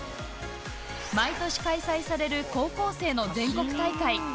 毎年開催される高校生の全国大会。